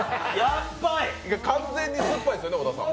完全に酸っぱいですね、小田さん？